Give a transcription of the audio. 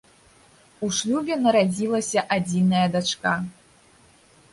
У шлюбе нарадзілася адзіная дачка.